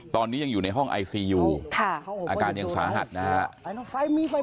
ตอนนี้ยังอยู่ในห้องไอซียูอาการยังสาหัสนะฮะ